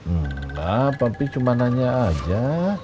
enggak pak peh cuma nanya aja